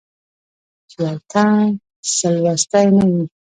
چې يو تن څۀ لوستي نۀ وي